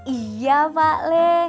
iya pak le